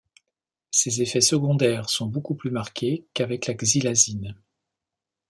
Ses effets secondaires sont beaucoup plus marqués qu'avec la xylazine.